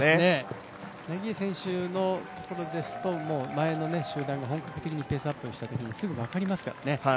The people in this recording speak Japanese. ナギーエ選手のところですともう前の集団が本格的にペースアップしたときに、すぐ分かりますからね。